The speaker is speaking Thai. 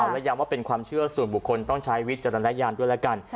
และย้ำว่าเป็นความเชื่อส่วนบุคคลต้องใช้วิจารณญาณด้วยแล้วกัน